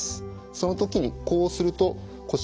その時にこうすると腰に負担かかります。